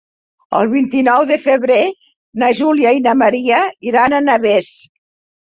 El vint-i-nou de febrer na Júlia i na Maria iran a Navès.